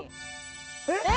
えっ！？